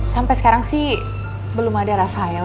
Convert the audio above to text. sampai sekarang sih belum ada rafael